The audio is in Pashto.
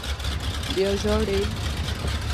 _بيا ژاړې!